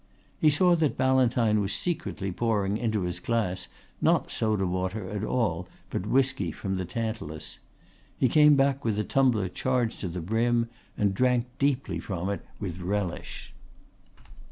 He saw that Ballantyne was secretly pouring into his glass not soda water at all but whisky from the tantalus. He came back with the tumbler charged to the brim and drank deeply from it with relish.